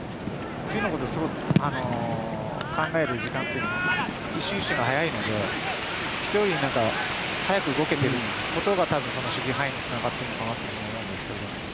次のことをすごく考える時間が一瞬、一瞬が早いので人より早く動けていることが守備範囲につながっているのかなと思います。